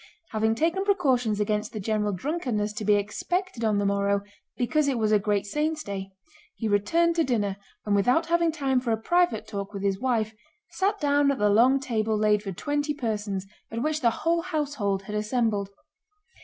Having taken precautions against the general drunkenness to be expected on the morrow because it was a great saint's day, he returned to dinner, and without having time for a private talk with his wife sat down at the long table laid for twenty persons, at which the whole household had assembled.